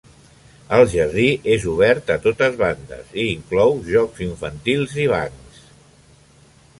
El jardí és obert a totes bandes, i inclou jocs infantils i bancs.